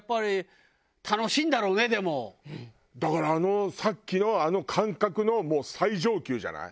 だからさっきのあの感覚のもう最上級じゃない？